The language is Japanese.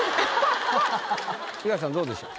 東さんどうでしょう？